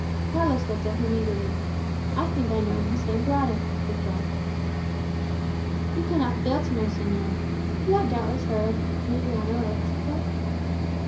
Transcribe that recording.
Carlos looked at him eagerly. "I think I know whose hand brought it," he said. "You cannot fail to know, señor. You have doubtless heard of Juliano El Chico?"